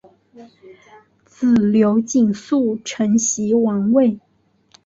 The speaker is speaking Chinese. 子刘景素承袭王位。